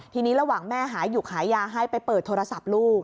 ทีนี้ระหว่างแม่หาอยู่ขายยาให้ไปเปิดโทรศัพท์ลูก